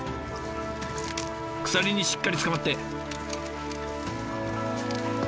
鎖にしっかりつかまって！